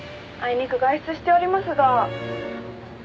「あいにく外出しておりますが」